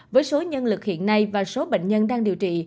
với số nhân lực hiện nay và số bệnh nhân đang điều trị